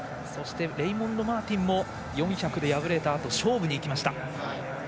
レイモンド・マーティンも４００で敗れたあと勝負にいきました。